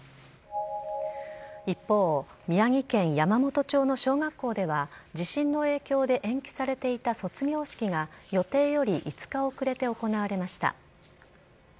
一方、宮城県山元町の小学校では、地震の影響で延期されていた卒業式が、予定より５日遅れて行われました。